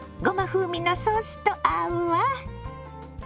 ごま風味のソースと合うわ。